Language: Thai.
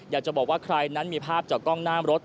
อยากจะบอกว่าใครนั้นมีภาพจากกล้องหน้ารถ